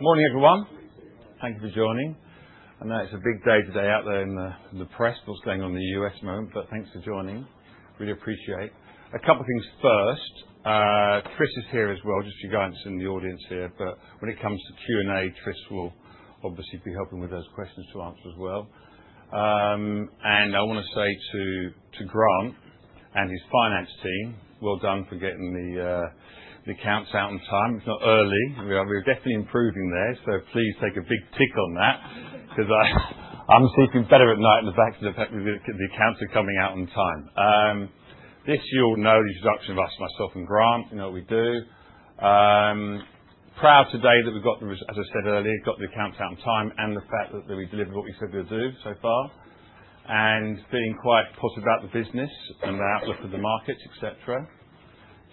Morning, everyone. Thank you for joining. I know it's a big day today out there in the press, what's going on in the U.S. at the moment, but thanks for joining. Really appreciate it. A couple of things first. Chris is here as well, just for you guys in the audience here. But when it comes to Q&A, Chris will obviously be helping with those questions to answer as well. And I want to say to Grant and his finance team, well done for getting the accounts out on time. It's not early. We're definitely improving there, so please take a big tick on that because I'm sleeping better at night on the back of the fact that the accounts are coming out on time. This, you all know, the introduction of us, myself, and Grant. You know what we do. Proud today that we've got, as I said earlier, the accounts out on time and the fact that we deliver what we said we'll do so far. And being quite positive about the business and the outlook of the markets, etc.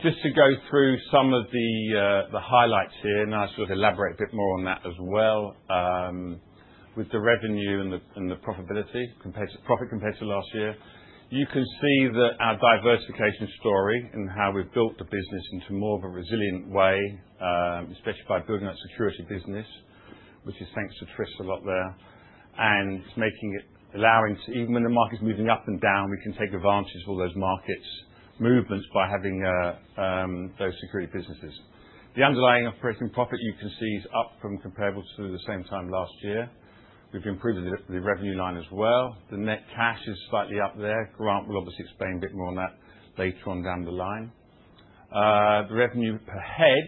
Just to go through some of the highlights here, and I'll sort of elaborate a bit more on that as well. With the revenue and the profitability compared to last year, you can see that our diversification story and how we've built the business into more of a resilient way, especially by building that securities business, which is thanks to Chris a lot there. And allowing to, even when the market's moving up and down, we can take advantage of all those market movements by having those securities businesses. The underlying operating profit you can see is up from comparable to the same time last year. We've improved the revenue line as well. The net cash is slightly up there. Grant will obviously explain a bit more on that later on down the line. The revenue per head,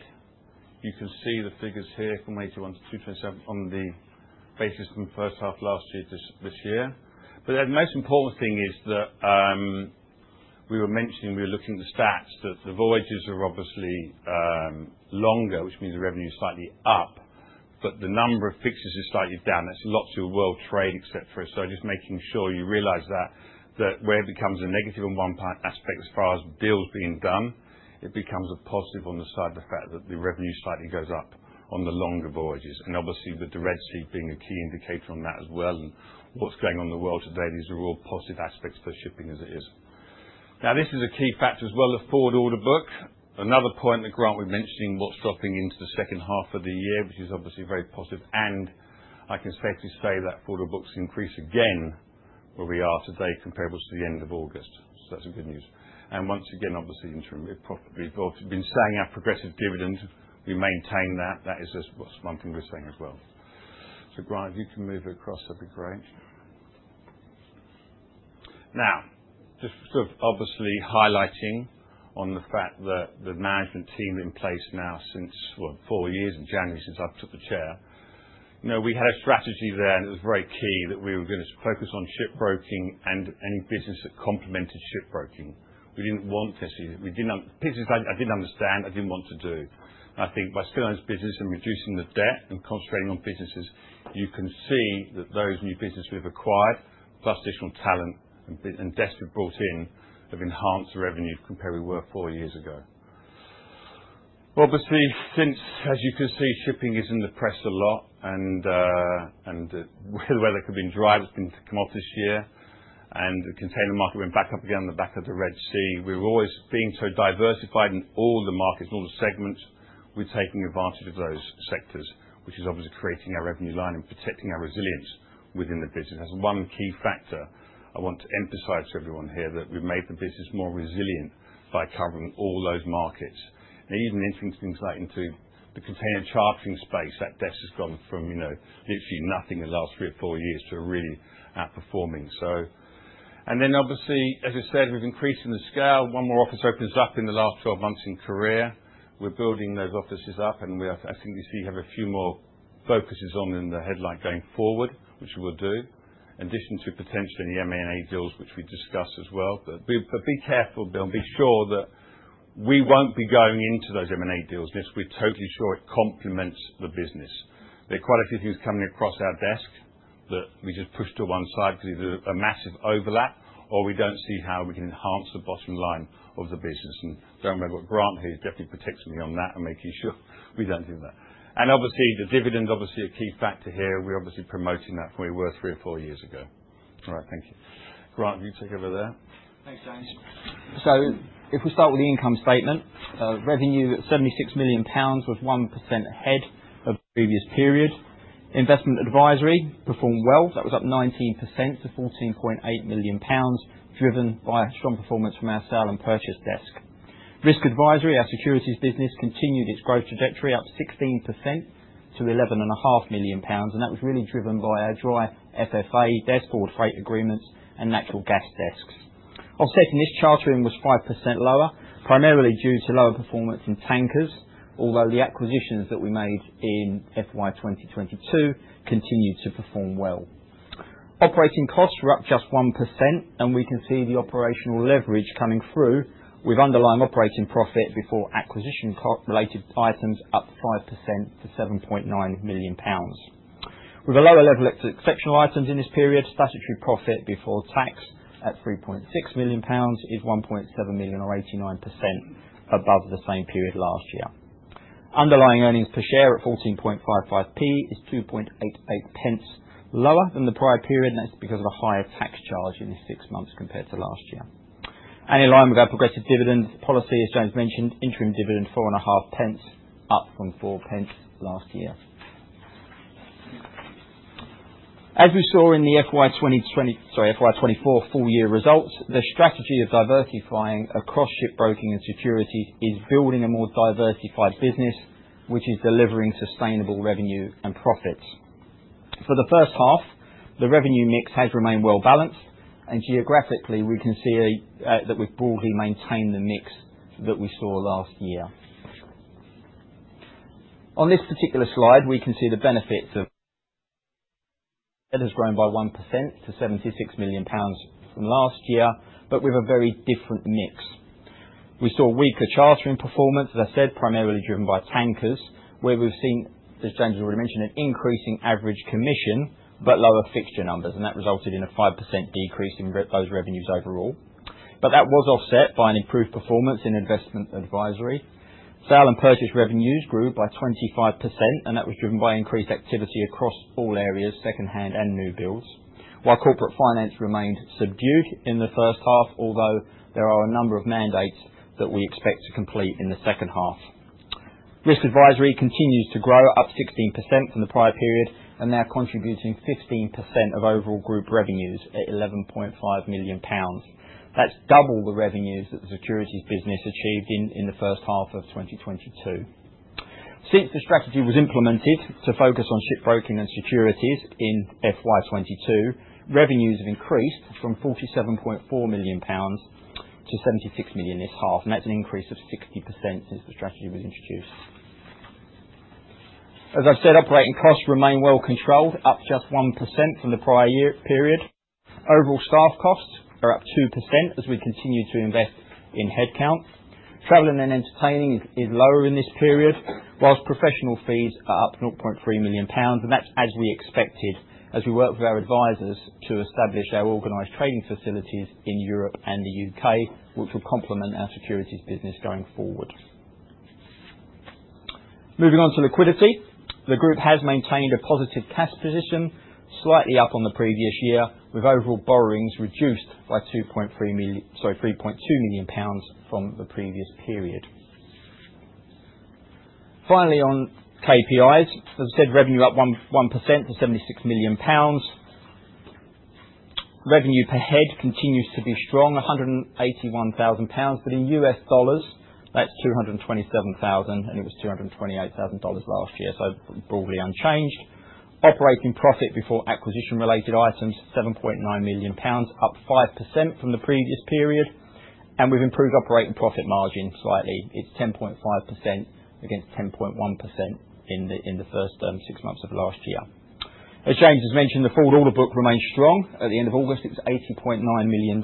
you can see the figures here from 81-227 on the basis from first half last year to this year. But the most important thing is that we were mentioning we were looking at the stats, that the voyages are obviously longer, which means the revenue is slightly up, but the number of fixes is slightly down. That's a lot to world trade, etc. So just making sure you realize that where it becomes a negative on one aspect as far as deals being done, it becomes a positive on the side of the fact that the revenue slightly goes up on the longer voyages. And obviously, with the Red Sea being a key indicator on that as well and what's going on in the world today, these are all positive aspects for shipping as it is. Now, this is a key factor as well, the forward order book. Another point that Grant was mentioning, what's dropping into the second half of the year, which is obviously very positive. And I can safely say that forward order books increase again where we are today comparable to the end of August. So that's good news. And once again, obviously, we've been saying our progressive dividend, we maintain that. That is just one thing we're saying as well. So Grant, if you can move across, that'd be great. Now, just sort of obviously highlighting the fact that the management team in place now since four years in January since I've took the chair, we had a strategy there, and it was very key that we were going to focus on shipbroking and any business that complemented shipbroking. We didn't want to see it. The pieces I didn't understand, I didn't want to do. I think by staying on this business and reducing the debt and concentrating on businesses, you can see that those new businesses we've acquired, plus additional talent and desk we've brought in, have enhanced the revenue compared to where we were four years ago. Obviously, since, as you can see, shipping is in the press a lot, and the whether could have been dire, but it's been tough to come off this year. The container market went back up again on the back of the Red Sea. We were always being so diversified in all the markets and all the segments. We're taking advantage of those sectors, which is obviously creating our revenue line and protecting our resilience within the business. That's one key factor I want to emphasize to everyone here that we've made the business more resilient by covering all those markets. Now, even entering things like into the container chartering space, that desk has gone from literally nothing in the last three or four years to really outperforming. And then obviously, as I said, we've increased in the scale. One more office opens up in the last 12 months in Korea. We're building those offices up, and I think you see we have a few more focuses on in the headcount going forward, which we will do, in addition to potentially any M&A deals which we discuss as well. But be careful, we'll Be sure that we won't be going into those M&A deals. We're totally sure it complements the business. There are quite a few things coming across our desk that we just push to one side because there's a massive overlap, or we don't see how we can enhance the bottom line of the business, and don't worry about Grant here. He definitely protects me on that and making sure we don't do that, and obviously, the dividend's obviously a key factor here. We're obviously promoting that from where we were three or four years ago. All right, thank you. Grant, you take over there. Thanks, James. So if we start with the income statement, revenue at GBP 76 million was 1% ahead of the previous period. Investment advisory performed well. That was up 19% to 14.8 million pounds, driven by strong performance from our sale and purchase desk. Risk advisory, our securities business, continued its growth trajectory up 16% to 11.5 million pounds, and that was really driven by our dry FFA desk, forward freight agreements, and natural gas desks. Offsetting this, chartering was 5% lower, primarily due to lower performance in tankers, although the acquisitions that we made in FY 2022 continued to perform well. Operating costs were up just 1%, and we can see the operational leverage coming through with underlying operating profit before acquisition-related items up 5% to 7.9 million pounds. With a lower level of exceptional items in this period, statutory profit before tax at 3.6 million pounds is 1.7 million, or 89% above the same period last year. Underlying earnings per share at 14.55 pence is 2.88 pence lower than the prior period, and that's because of a higher tax charge in these six months compared to last year. And in line with our progressive dividend policy, as James mentioned, interim dividend 4.50 pence, up from 4 pence last year. As we saw in the FY 2024 full year results, the strategy of diversifying across shipbroking and securities is building a more diversified business, which is delivering sustainable revenue and profits. For the first half, the revenue mix has remained well balanced, and geographically, we can see that we've broadly maintained the mix that we saw last year. On this particular slide, we can see the benefits of that has grown by 1% to 76 million pounds from last year, but with a very different mix. We saw weaker chartering performance, as I said, primarily driven by tankers, where we've seen, as James already mentioned, an increasing average commission but lower fixture numbers. And that resulted in a 5% decrease in those revenues overall. But that was offset by an improved performance in investment advisory. Sale and purchase revenues grew by 25%, and that was driven by increased activity across all areas, secondhand and new builds, while corporate finance remained subdued in the first half, although there are a number of mandates that we expect to complete in the second half. Risk advisory continues to grow, up 16% from the prior period, and now contributing 15% of overall group revenues at 11.5 million pounds. That's double the revenues that the securities business achieved in the first half of 2022. Since the strategy was implemented to focus on ship broking and securities in FY 2022, revenues have increased from 47.4 million-76 million pounds this half, and that's an increase of 60% since the strategy was introduced. As I've said, operating costs remain well controlled, up just 1% from the prior period. Overall staff costs are up 2% as we continue to invest in headcount. Travel and entertaining is lower in this period, whilst professional fees are up 0.3 million pounds, and that's as we expected as we work with our advisors to establish our organized trading facilities in Europe and the UK, which will complement our securities business going forward. Moving on to liquidity, the group has maintained a positive cash position, slightly up on the previous year, with overall borrowings reduced by 3.2 million pounds from the previous period. Finally, on KPIs, as I said, revenue up 1% to 76 million pounds. Revenue per head continues to be strong, 181,000 pounds, but in U.S. dollars, that's $227,000 and it was $228,000 last year, so broadly unchanged. Operating profit before acquisition-related items, 7.9 million pounds, up 5% from the previous period. And we've improved operating profit margin slightly. It's 10.5% against 10.1% in the first six months of last year. As James has mentioned, the forward order book remains strong. At the end of August, it was $80.9 million,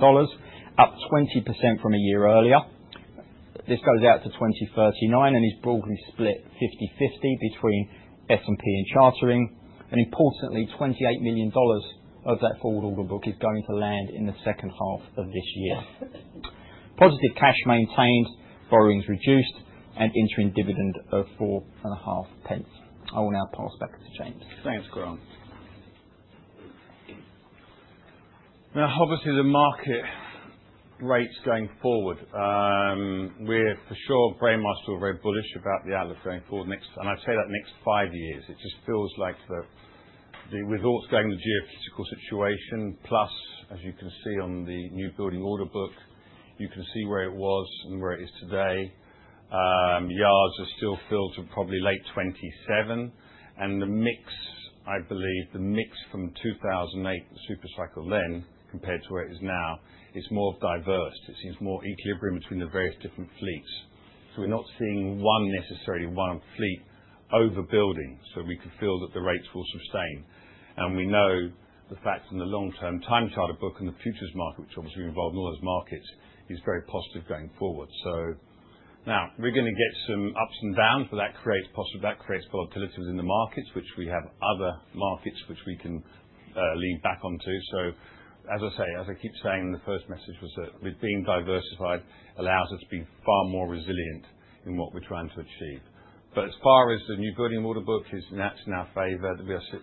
up 20% from a year earlier. This goes out to 2039 and is broadly split 50/50 between S&P and chartering. Importantly, $28 million of that forward order book is going to land in the second half of this year. Positive cash maintained, borrowings reduced, and interim dividend of 4.50. I will now pass back to James. Thanks, Grant. Now, obviously, the market rates going forward, we're for sure, Braemar's still very bullish about the outlook going forward next, and I'd say that next five years. It just feels like the results going in the geopolitical situation, plus, as you can see on the newbuilding order book, you can see where it was and where it is today. Yards are still filled to probably late 2027. And the mix, I believe, the mix from 2008, the super cycle then, compared to where it is now, it's more diverse. It seems more equilibrium between the various different fleets. So we're not seeing one necessarily one fleet overbuilding, so we can feel that the rates will sustain. And we know the fact in the long-term time charter book and the futures market, which obviously we involve in all those markets, is very positive going forward. So now, we're going to get some ups and downs, but that creates volatility within the markets, which we have other markets which we can lean back onto. So as I say, as I keep saying in the first message, was that being diversified allows us to be far more resilient in what we're trying to achieve. But as far as the new building order book is in our favor,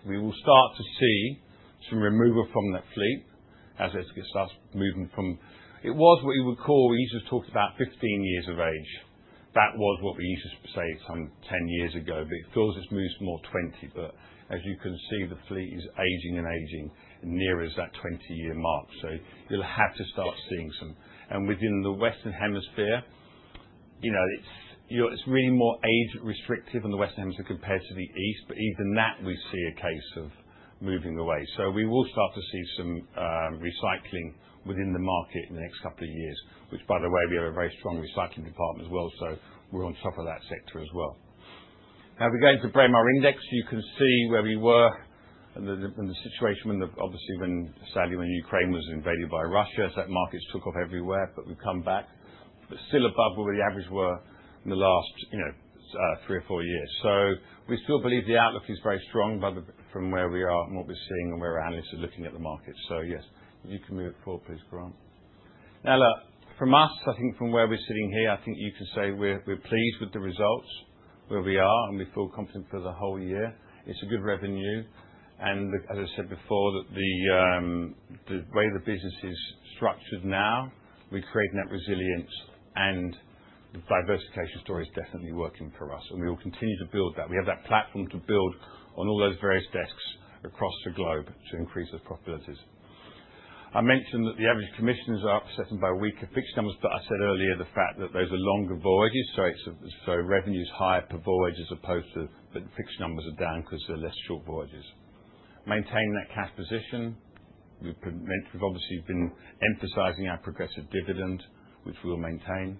we will start to see some removal from that fleet as it starts moving from it was what you would call we used to talk about 15 years of age. That was what we used to say some 10 years ago, but it feels it's moved to more 20. But as you can see, the fleet is aging and aging nearer that 20-year mark. So you'll have to start seeing some. And within the Western Hemisphere, it's really more age-restrictive in the Western Hemisphere compared to the East, but even that, we see a case of moving away. So we will start to see some recycling within the market in the next couple of years, which, by the way, we have a very strong recycling department as well. So we're on top of that sector as well. Now, if we go into Braemar Index, you can see where we were and the situation when obviously, sadly, when Ukraine was invaded by Russia, so markets took off everywhere, but we've come back, but still above where we average were in the last three or four years. So we still believe the outlook is very strong from where we are and what we're seeing and where our analysts are looking at the market. So yes, if you can move forward, please, Grant. Now, look, from us, I think from where we're sitting here, I think you can say we're pleased with the results, where we are, and we feel confident for the whole year. It's a good revenue, and as I said before, the way the business is structured now, we create net resilience, and the diversification story is definitely working for us, and we will continue to build that. We have that platform to build on all those various desks across the globe to increase the profitabilities. I mentioned that the average commissions are up for setting by weaker fixed numbers, but I said earlier the fact that those are longer voyages, so revenue is higher per voyage as opposed to, but fixed numbers are down because they're less short voyages, maintaining that cash position. We've obviously been emphasizing our progressive dividend, which we will maintain,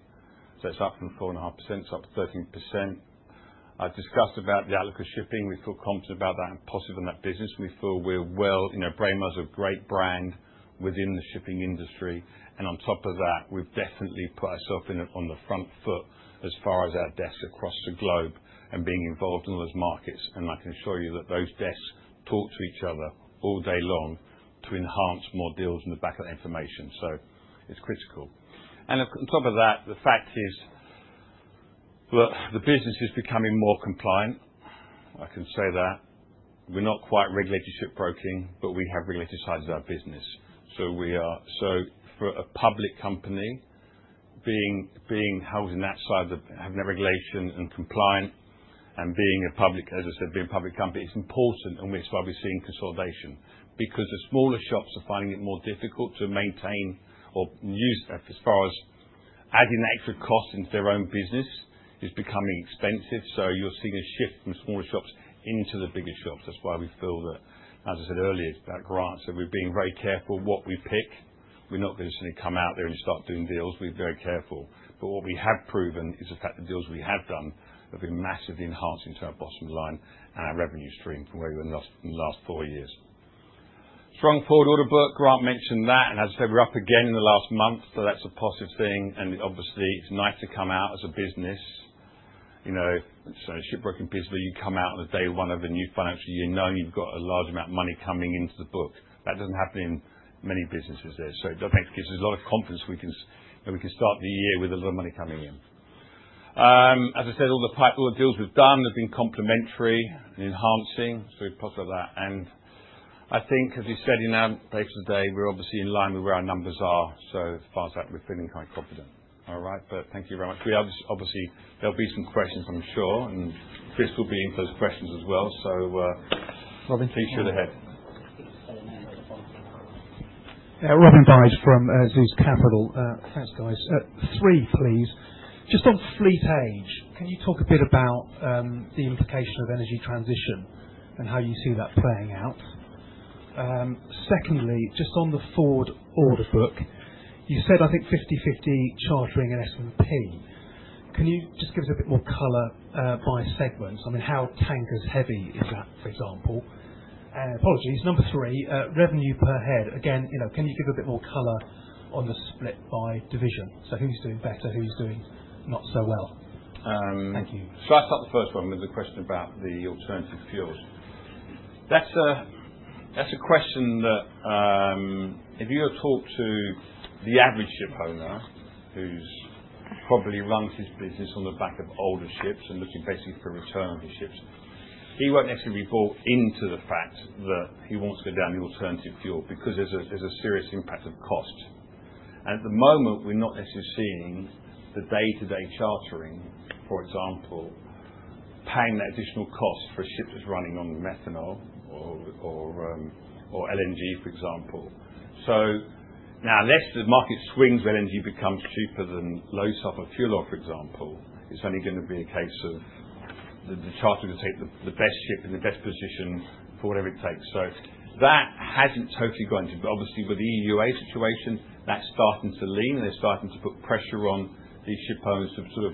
so it's up from 4.5%. It's up 13%. I've discussed about the outlook of shipping. We feel confident about that and positive on that business. We feel we're well. Braemar's a great brand within the shipping industry, and on top of that, we've definitely put ourselves on the front foot as far as our desks across the globe and being involved in all those markets. And I can assure you that those desks talk to each other all day long to enhance more deals in the back of that information, so it's critical, and on top of that, the fact is that the business is becoming more compliant. I can say that. We're not quite regulated shipbroking, but we have regulated sides of our business. So, for a public company being held in that side of having that regulation and compliant and being a public, as I said, being a public company, it's important, and that's why we're seeing consolidation. Because the smaller shops are finding it more difficult to maintain or use as far as adding extra costs into their own business is becoming expensive. So, you're seeing a shift from smaller shops into the bigger shops. That's why we feel that, as I said earlier, it's about Grant's. So, we're being very careful what we pick. We're not going to suddenly come out there and start doing deals. We're very careful. But what we have proven is the fact that deals we have done have been massively enhancing to our bottom line and our revenue stream from where we were in the last four years. Strong forward order book. Grant mentioned that. As I said, we're up again in the last month, so that's a positive thing. Obviously, it's nice to come out as a business: a shipbroking business, where you come out on day one of a new financial year, knowing you've got a large amount of money coming into the book. That doesn't happen in many businesses there. So that gives us a lot of confidence we can start the year with a lot of money coming in. As I said, all the deals we've done have been complementary and enhancing. So we've talked about that. And I think, as you said in our paper today, we're obviously in line with where our numbers are. So as far as that, we're feeling quite confident. All right? But thank you very much. Obviously, there'll be some questions, I'm sure, and Chris will be in for those questions as well. So please shoot ahead. Robin Byde from Zeus Capital. Thanks, guys. Three, please. Just on fleet age, can you talk a bit about the implication of energy transition and how you see that playing out? Secondly, just on the forward order book, you said, I think, 50/50 chartering and S&P. Can you just give us a bit more color by segments? I mean, how tankers heavy is that, for example? Apologies. Number three, revenue per head. Again, can you give a bit more color on the split by division? So who's doing better? Who's doing not so well? Thank you. Shall I start the first one with the question about the alternative fuels? That's a question that if you talk to the average shipowner who's probably run his business on the back of older ships and looking basically for return on his ships, he won't necessarily be bought into the fact that he wants to go down the alternative fuel because there's a serious impact of cost, and at the moment, we're not necessarily seeing the day-to-day chartering, for example, paying that additional cost for a ship that's running on methanol or LNG, for example, so now, unless the market swings where LNG becomes cheaper than low sulfur fuel, for example, it's only going to be a case of the chartering will take the best ship in the best position for whatever it takes, so that hasn't totally gone into it. But obviously, with the EUA situation, that's starting to lean, and they're starting to put pressure on these shipowners to sort of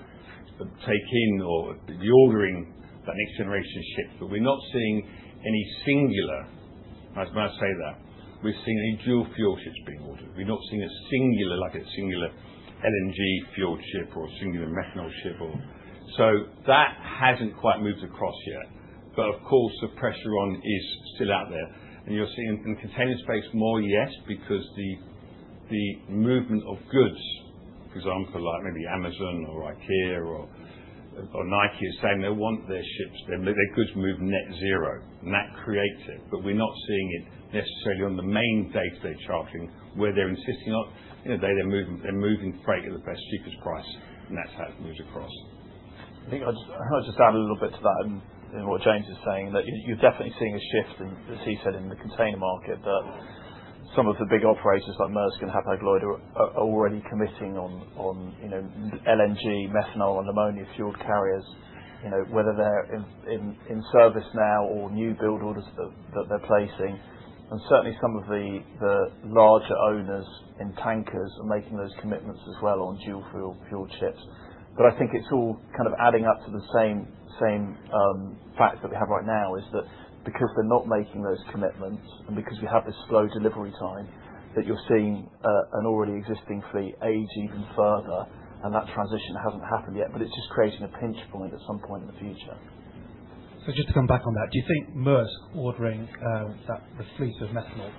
take in or be ordering that next generation ship. But we're not seeing any singular, and I must say that, we're seeing any dual fuel ships being ordered. We're not seeing a singular, like a singular LNG fuel ship or a singular methanol ship. So that hasn't quite moved across yet. But of course, the pressure on is still out there. And you're seeing in container space more, yes, because the movement of goods, for example, like maybe Amazon or IKEA or Nike, are saying they want their ships, their goods move net zero. And that creates it. But we're not seeing it necessarily on the main day-to-day chartering, where they're insisting on they're moving freight at the best cheapest price, and that's how it's moved across. I think I'll just add a little bit to that in what James is saying, that you're definitely seeing a shift, as he said, in the container market, that some of the big operators like Maersk and Hapag-Lloyd are already committing on LNG, methanol, and ammonia fueled carriers, whether they're in service now or new build orders that they're placing. Certainly, some of the larger owners in tankers are making those commitments as well on dual fuel ships. I think it's all kind of adding up to the same fact that we have right now, is that because they're not making those commitments and because we have this slow delivery time, that you're seeing an already existing fleet age even further, and that transition hasn't happened yet. It's just creating a pinch point at some point in the future. So just to come back on that, do you think Maersk ordering the fleet of methanol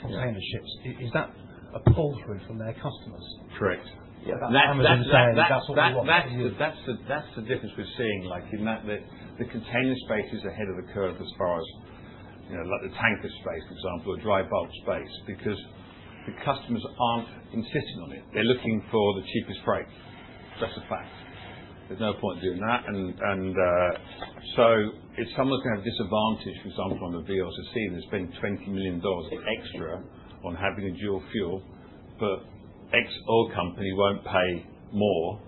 container ships, is that a pull through from their customers? Correct. That's what I'm saying. That's what we want. That's the difference we're seeing, like in that the container space is ahead of the curve as far as the tanker space, for example, the dry bulk space, because the customers aren't insisting on it. They're looking for the cheapest freight. That's a fact. There's no point doing that. And so if someone's going to have a disadvantage, for example, on the vessels, as seen, there's been $20 million extra on having a dual fuel, but Exxon company won't pay more.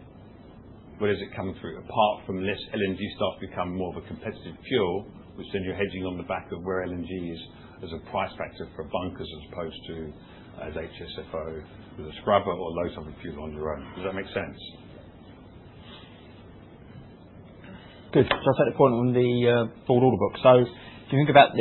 Where is it coming through? Apart from this LNG stuff becoming more of a competitive fuel, which then you're hedging on the back of where LNG is as a price factor for bunkers as opposed to as HSFO with a scrubber or low sulfur fuel on your own. Does that make sense? Good. So I'll take the point on the forward order book. So if you think about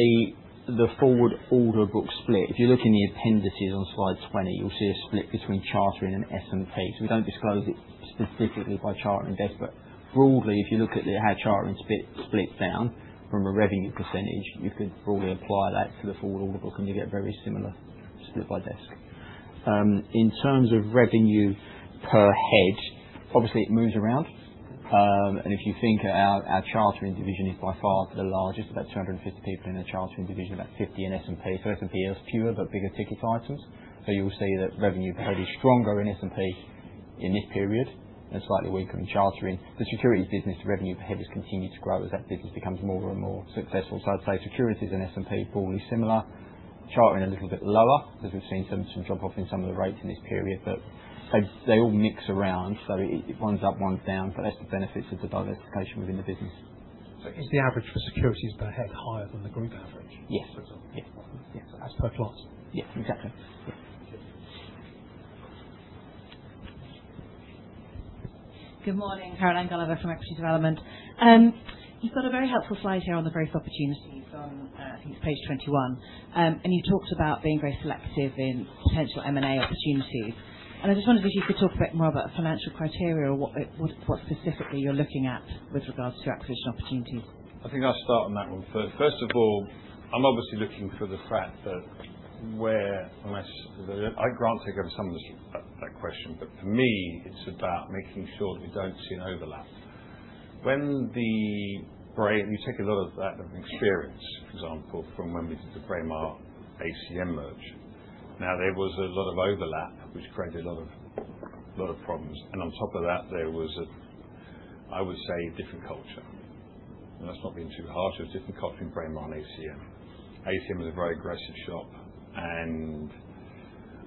the forward order book split, if you look in the appendices on slide 20, you'll see a split between chartering and S&P. So we don't disclose it specifically by chartering desk. But broadly, if you look at how chartering splits down from a revenue percentage, you could broadly apply that to the forward order book, and you get a very similar split by desk. In terms of revenue per head, obviously, it moves around. And if you think our chartering division is by far the largest, about 250 people in a chartering division, about 50 in S&P. So S&P is fewer, but bigger ticket items. So you'll see that revenue per head is stronger in S&P in this period and slightly weaker in chartering. The securities business, the revenue per head has continued to grow as that business becomes more and more successful. So I'd say securities and S&P are broadly similar. Chartering a little bit lower, as we've seen some jump off in some of the rates in this period, but they all mix around. So it runs up, runs down, but that's the benefits of the diversification within the business. So is the average for securities per head higher than the group average? Yes. For example. Yes. As per plot? Yes. Exactly. Good morning. Caroline Gulliver from Equity Development. You've got a very helpful slide here on the growth opportunities on, I think it's page 21. And you've talked about being very selective in potential M&A opportunities. And I just wondered if you could talk a bit more about financial criteria or what specifically you're looking at with regards to acquisition opportunities? I think I'll start on that one. First of all, I'm obviously looking to Grant to take over some of that question, but for me, it's about making sure that we don't see an overlap. When we at Braemar take a lot of that experience, for example, from when we did the Braemar ACM merger. Now, there was a lot of overlap, which created a lot of problems. And on top of that, there was, I would say, different culture. And let's not be too harsh. There was different culture in Braemar and ACM. ACM was a very aggressive shop. And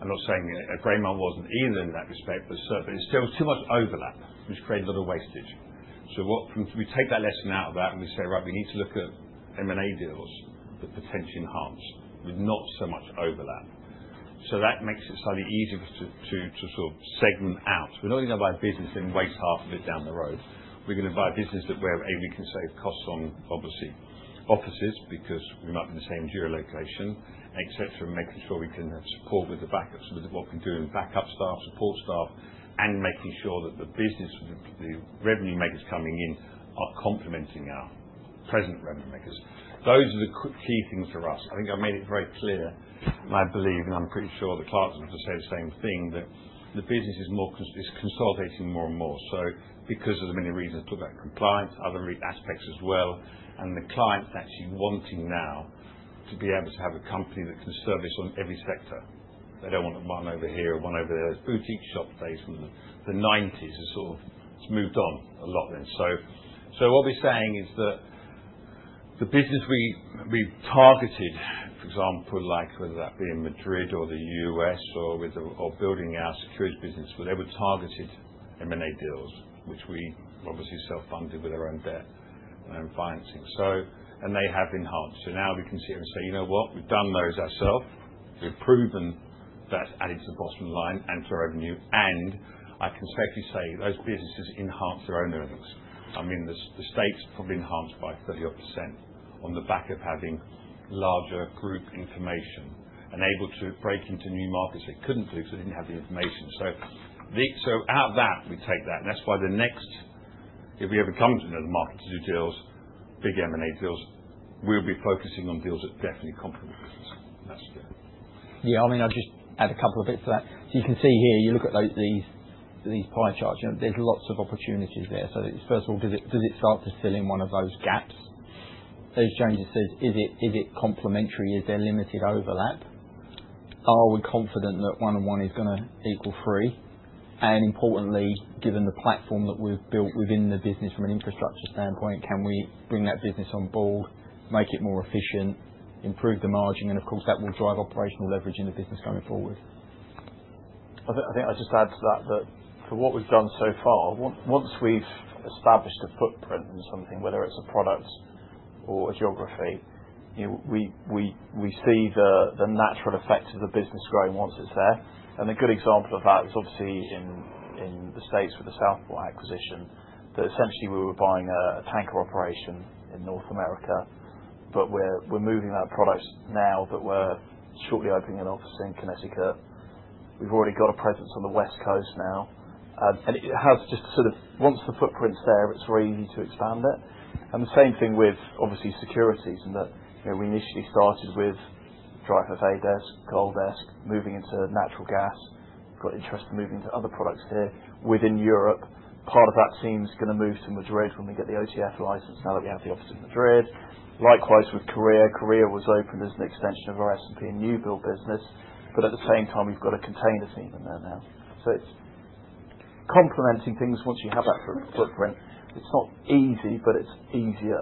I'm not saying Braemar wasn't either in that respect, but still, there was too much overlap, which created a lot of wastage. So we take that lesson out of that, and we say, "Right, we need to look at M&A deals that potentially enhance with not so much overlap." So that makes it slightly easier to sort of segment out. We're not going to go buy a business that can waste half of it down the road. We're going to buy a business where we can save costs on, obviously, offices because we might be in the same geolocation, etc., and making sure we can support with the backups with what we're doing, backup staff, support staff, and making sure that the business, the revenue makers coming in are complementing our present revenue makers. Those are the key things for us. I think I've made it very clear, and I believe, and I'm pretty sure the clients will say the same thing, that the business is consolidating more and more. So because of the many reasons I've talked about, compliance, other aspects as well, and the clients actually wanting now to be able to have a company that can service on every sector. They don't want one over here or one over there. There's boutique shop days from the 1990s. It's moved on a lot then. So what we're saying is that the business we targeted, for example, whether that be in Madrid or the U.S. or building our securities business, they were targeted M&A deals, which we obviously self-funded with our own debt and financing. And they have enhanced. So now we can sit and say, "You know what? We've done those ourselves. We've proven that's added to the bottom line and to our revenue." And I can safely say those businesses enhanced their own earnings. I mean, the stats probably enhanced by 30% on the back of having larger group information and able to break into new markets they couldn't do because they didn't have the information. So out of that, we take that. And that's why the next, if we ever come to another market to do deals, big M&A deals, we'll be focusing on deals that definitely complement business. That's it. Yeah. I mean, I'll just add a couple of bits to that. So you can see here, you look at these pie charts, there's lots of opportunities there. So first of all, does it start to fill in one of those gaps? Those changes, is it complementary? Is there limited overlap? Are we confident that one plus one is going to equal three? And importantly, given the platform that we've built within the business from an infrastructure standpoint, can we bring that business on board, make it more efficient, improve the margin? And of course, that will drive operational leverage in the business going forward. I think I'll just add to that that for what we've done so far, once we've established a footprint in something, whether it's a product or a geography, we see the natural effect of the business growing once it's there. A good example of that is obviously in the states with the Southport acquisition, that essentially we were buying a tanker operation in North America, but we're moving that product now that we're shortly opening an office in Connecticut. We've already got a presence on the West Coast now. It has just sort of, once the footprint's there, it's very easy to expand it. The same thing with, obviously, securities in that we initially started with Dry FFA desk, Gold desk, moving into natural gas. We've got interest in moving to other products here. Within Europe, part of that seems going to move to Madrid when we get the OTF license now that we have the office in Madrid. Likewise with Korea. Korea was opened as an extension of our S&P and new build business, but at the same time, we've got a container team in there now. So it's complementing things once you have that footprint. It's not easy, but it's easier.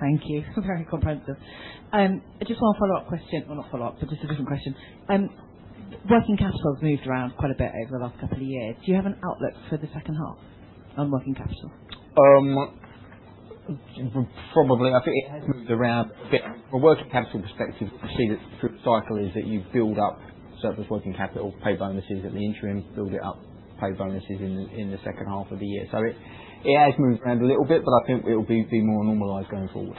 Thank you. Very comprehensive. Just one follow-up question. Well, not follow-up, but just a different question. Working capital has moved around quite a bit over the last couple of years. Do you have an outlook for the second half on working capital? Probably. I think it has moved around a bit. From a working capital perspective, you see that through the cycle is that you build up surplus working capital, pay bonuses at the interim, build it up, pay bonuses in the second half of the year. So it has moved around a little bit, but I think it will be more normalized going forward.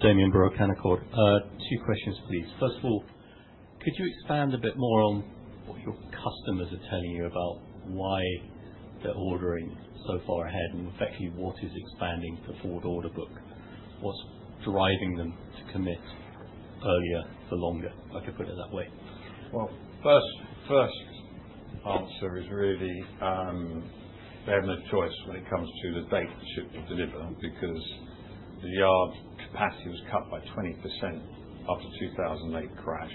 Damian Brewer, Canaccord. Two questions, please. First of all, could you expand a bit more on what your customers are telling you about why they're ordering so far ahead and effectively what is expanding the forward order book? What's driving them to commit earlier for longer? I could put it that way. First answer is really they have no choice when it comes to the date the ship will deliver because the yard capacity was cut by 20% after 2008 crash,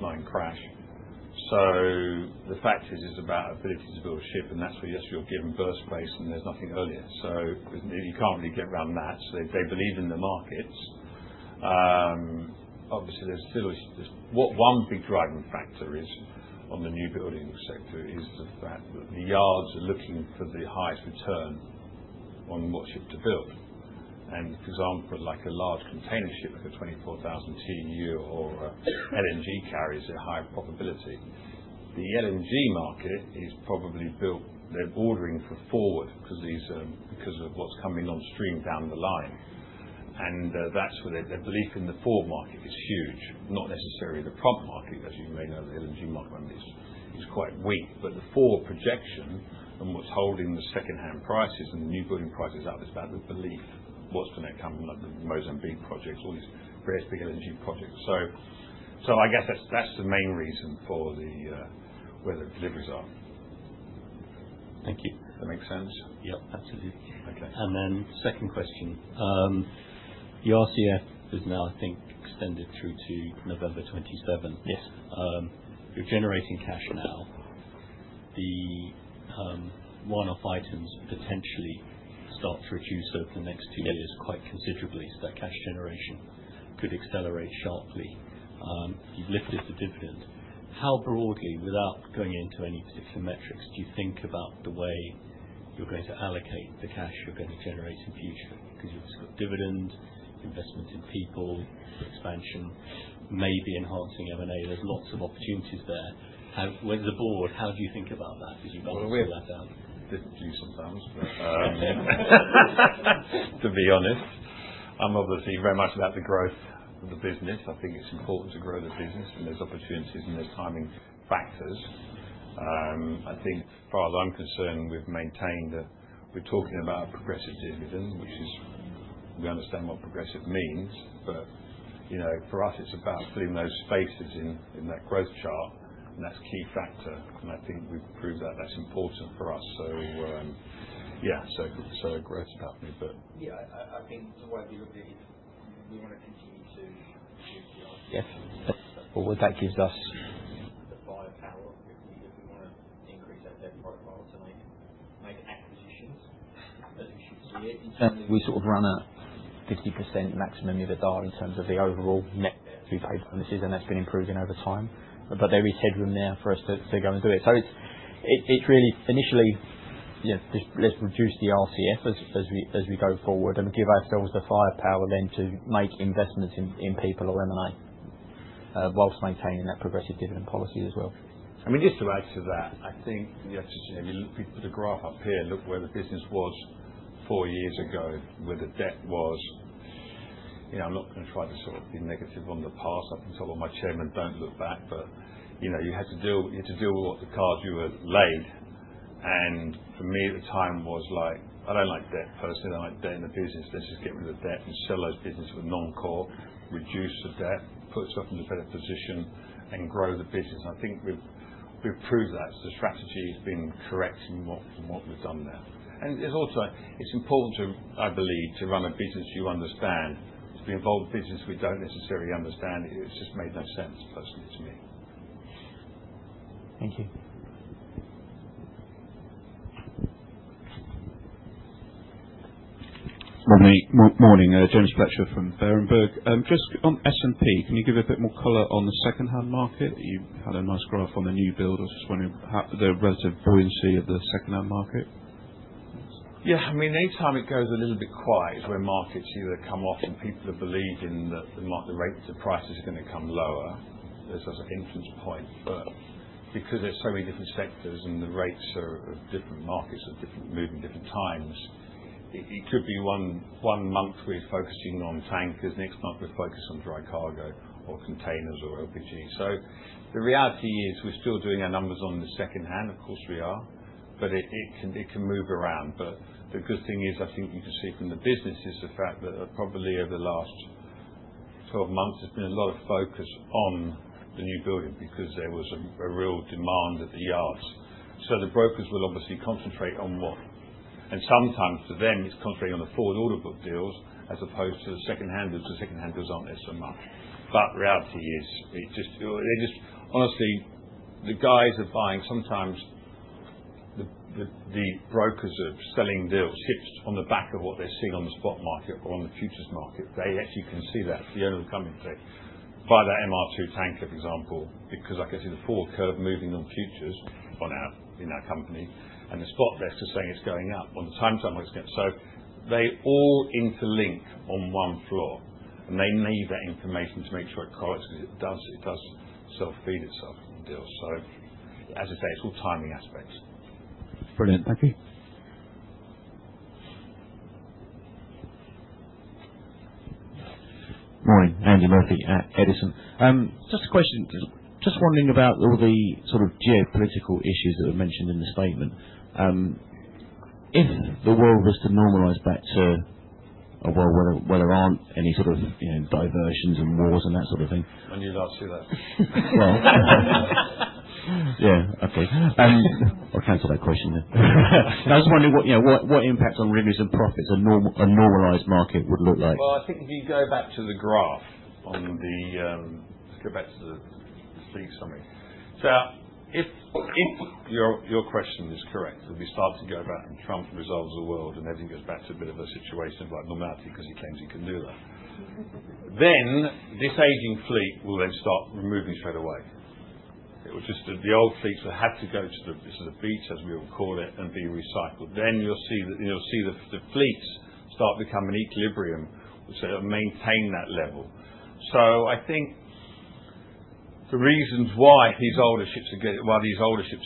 2009 crash. The fact is it's about ability to build a ship, and that's where, yes, you're given berth space and there's nothing earlier. You can't really get around that. They believe in the markets. Obviously, there's still one big driving factor on the newbuild sector is the fact that the yards are looking for the highest return on what ship to build. For example, like a large container ship, like a 24,000 TEU or LNG carriers at high probability, the LNG market is probably but they're ordering for forward because of what's coming on stream down the line. That's where their belief in the forward market is huge, not necessarily the prop market, as you may know. The LNG market is quite weak. The forward projection and what's holding the second-hand prices and the new building prices up is about the belief. What's going to come? The Mozambique projects, all these various big LNG projects. I guess that's the main reason for where the deliveries are. Thank you. Does that make sense? Yep. Absolutely. And then second question. The RCF is now, I think, extended through to November 27. You're generating cash now. The one-off items potentially start to reduce over the next two years quite considerably, so that cash generation could accelerate sharply. You've lifted the dividend. How broadly, without going into any particular metrics, do you think about the way you're going to allocate the cash you're going to generate in future? Because you've got dividend, investment in people, expansion, maybe enhancing M&A. There's lots of opportunities there. Where's the board? How do you think about that as you balance all that out? We're a bit few sometimes, to be honest. I'm obviously very much about the growth of the business. I think it's important to grow the business, and there's opportunities and there's timing factors. I think, as far as I'm concerned, we've maintained that we're talking about a progressive dividend, which is we understand what progressive means, but for us, it's about filling those spaces in that growth chart, and that's a key factor, and I think we've proved that that's important for us. Yeah, growth is happening, but. Yeah. I think the way we look at it is we want to continue to improve the RCF. Yes. Well, what that gives us. The buying power, if we want to increase our debt profile to make acquisitions, as we should see it in terms of. We sort of run a 50% maximum EBITDA in terms of the overall net to be paid bonuses, and that's been improving over time. But there is headroom there for us to go and do it. So it's really initially, let's reduce the RCF as we go forward and give ourselves the firepower then to make investments in people or M&A whilst maintaining that progressive dividend policy as well. I mean, just to add to that, I think we put a graph up here. Look where the business was four years ago, where the debt was. I'm not going to try to sort of be negative on the past. I think it's all on my chairman. Don't look back, but you had to deal with what the cards you had laid. And for me, at the time, was like, "I don't like debt personally. I don't like debt in the business. Let's just get rid of debt and sell those businesses with non-core, reduce the debt, put yourself in a better position, and grow the business." And I think we've proved that. The strategy has been correct from what we've done there. And it's also important to, I believe, to run a business you understand. To be involved in business we don't necessarily understand, it's just made no sense personally to me. Thank you. Morning. James Fletcher from Berenberg. Just on S&P, can you give a bit more color on the second-hand market? You had a nice graph on the new build. I was just wondering the relative buoyancy of the second-hand market. Yeah. I mean, anytime it goes a little bit quiet is where markets either come off and people are believing that the prices are going to come lower. There's also an entrance point. But because there's so many different sectors and the rates are of different markets are moving different times, it could be one month we're focusing on tankers, next month we're focusing on dry cargo or containers or LPG. So the reality is we're still doing our numbers on the second-hand. Of course, we are, but it can move around. But the good thing is I think you can see from the businesses the fact that probably over the last 12 months, there's been a lot of focus on the newbuilding because there was a real demand at the yards. So the brokers will obviously concentrate on what. Sometimes for them, it's concentrating on the forward order book deals as opposed to the second-handers. The second-handers aren't there so much. But the reality is they just honestly, the guys are buying. Sometimes the brokers are selling deals, ships on the back of what they're seeing on the spot market or on the futures market. They actually can see that. The owner will come in and say, "Buy that MR2 tanker," for example, because I can see the forward curve moving on futures in that company. And the spot desk is saying it's going up. On the time charter, it's going up. So they all interlink on one floor, and they need that information to make sure it correlates because it does self-feed itself on deals. So as I say, it's all timing aspects. Brilliant. Thank you. Morning. Andy Murphy at Edison. Just a question. Just wondering about all the sort of geopolitical issues that were mentioned in the statement. If the world was to normalize back to a world where there aren't any sort of diversions and wars and that sort of thing. I knew that I'd see that. Yeah. Okay. I'll cancel that question then. I was wondering what impact on revenues and profits a normalized market would look like. I think if you go back to the fleet summary. So if your question is correct, if we start to go back and Trump resolves the world and everything goes back to a bit of a situation of normality because he claims he can do that, then this aging fleet will then start moving straight away. It was just that the old fleets would have to go to the beach, as we would call it, and be recycled. Then you'll see the fleets start becoming an equilibrium which will maintain that level. So I think the reasons why these older ships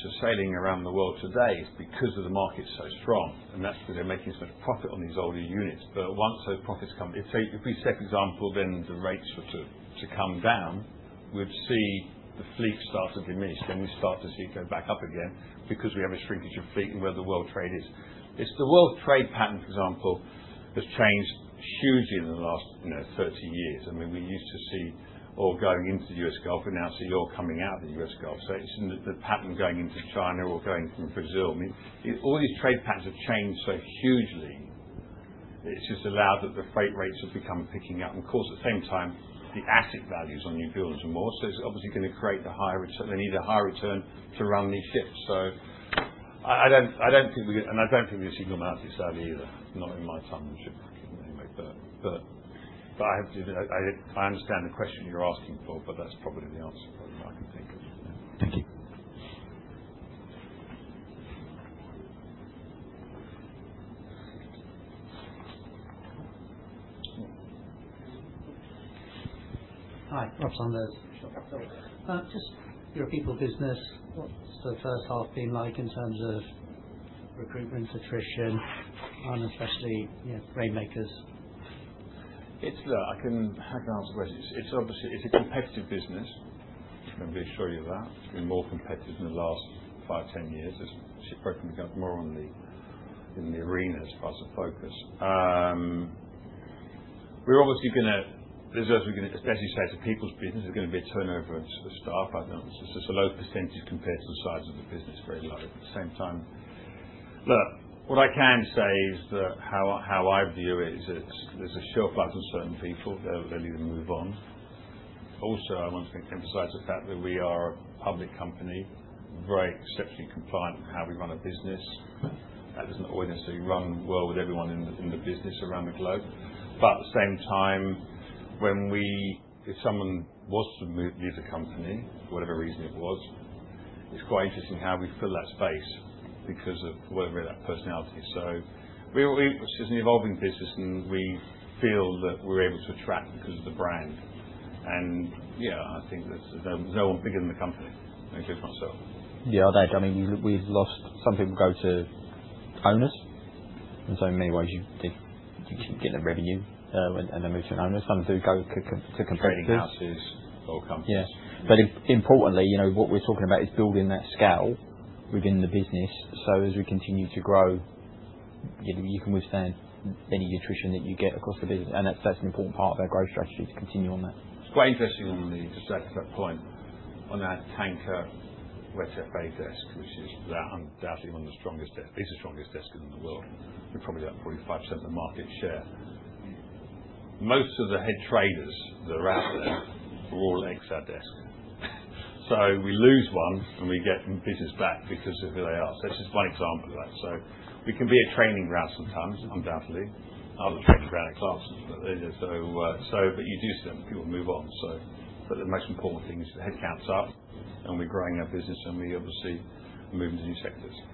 are sailing around the world today is because the market's so strong, and that's because they're making so much profit on these older units. But once those profits come if we set example, then the rates were to come down, we'd see the fleet start to diminish. Then we start to see it go back up again because we have a shrinkage of fleet and where the world trade is. The world trade pattern, for example, has changed hugely in the last 30 years. I mean, we used to see oil going into the US Gulf, and now see oil coming out of the US Gulf. So it's the pattern going into China or going from Brazil. I mean, all these trade patterns have changed so hugely. It's just allowed that the freight rates have become picking up. And of course, at the same time, the asset values on new buildings are more. So it's obviously going to create the higher return. They need a higher return to run these ships. So I don't think we're going to see normality slowly either. Not in my lifetime, but I understand the question you're asking for, but that's probably the answer I can think of. Thank you. Hi. Rob Sanders. Just your people business, what's the first half been like in terms of recruitment, attrition, and especially rainmakers? I can answer both. It's obviously a competitive business. I'm going to be sure of that. It's been more competitive in the last five, 10 years. It's shifted from more in the arena as far as the focus. We're obviously going to, as you say, it's a people's business. There's going to be a turnover of staff. It's a low percentage compared to the size of the business, very low. At the same time, look, what I can say is that how I view it is there's a shelf life in certain people. They'll either move on. Also, I want to emphasize the fact that we are a public company, very exceptionally compliant in how we run a business. That doesn't always necessarily run well with everyone in the business around the globe. But at the same time, if someone wants to leave the company, for whatever reason it was, it's quite interesting how we fill that space because of that personality. So it's an evolving business, and we feel that we're able to attract because of the brand. And yeah, I think there's no one bigger than the company, including myself. Yeah, I'll add. I mean, we've lost some people go to owners, and so in many ways, you keep getting the revenue and then move to an owner. Some do go to competing houses. Trading houses or companies. Yes. But importantly, what we're talking about is building that scale within the business. So as we continue to grow, you can withstand any attrition that you get across the business. And that's an important part of our growth strategy to continue on that. It's quite interesting just to add to that point, on our Wet Freight desk, which is undoubtedly one of the strongest desks, is the strongest desk in the world. We're probably up 45% of the market share. Most of the head traders that are out there are all ex- our desk. So we lose one, and we get business back because of who they are. So it's just one example of that. So we can be a training ground sometimes, undoubtedly. I was a training ground at Clarkson. But you do see that people move on. But the most important thing is the headcount's up, and we're growing our business, and we obviously move into new sectors.